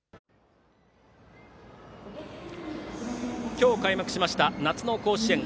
今日、開幕しました夏の甲子園。